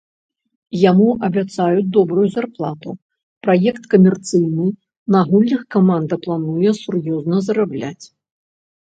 Яму абяцаюць добрую зарплату: праект камерцыйны, на гульнях каманда плануе сур’ёзна зарабляць.